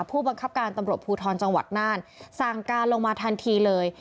ผู้บังคับการตำรวจภูทรจังหวัดน่านสั่งการลงมาทันทีเลย